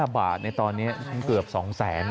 ๕บาทในตอนนี้เกือบ๒๐๐๐๐๐นะ